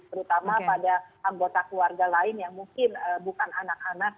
terutama pada anggota keluarga lain yang mungkin bukan anak anak